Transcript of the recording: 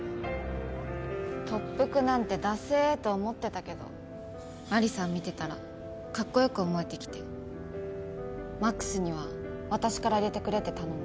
特服なんてダセえと思ってたけどマリさん見てたらカッコ良く思えてきて魔苦須には私から入れてくれって頼んだ。